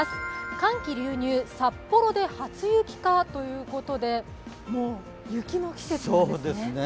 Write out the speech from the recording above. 寒気流入、札幌で初雪かということで、もう雪の季節なんですね。